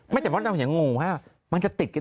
ไม่แต่เพราะน้องหยางงงว่ามันจะติดกัน